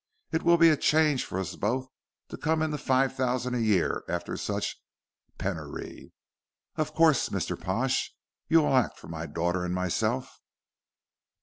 It will be a change for us both to come into five thousand a year after such penury. Of course, Mr. Pash, you will act for my daughter and myself."